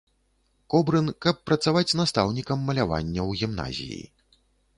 Кобрын, каб працаваць настаўнікам малявання ў гімназіі.